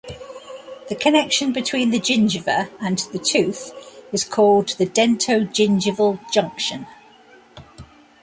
The connection between the gingiva and the tooth is called the dentogingival junction.